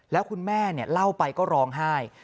แล้วคุณแม่เนี่ยเล่าไปก็ร้องฮาย